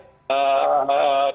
sama bersahabat dengan negara negara